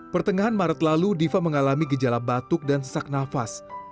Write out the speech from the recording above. pertengahan maret lalu diva mengalami gejala batuk dan sesak nafas